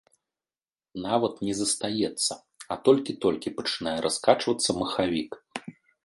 Нават не застаецца, а толькі-толькі пачынае раскачвацца махавік!